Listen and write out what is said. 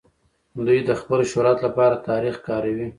دوی د خپل شهرت لپاره تاريخ کاروي.